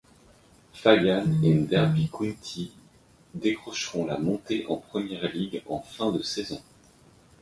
Fagan et Derby County décrocheront la montée en Premier League en fin de saison.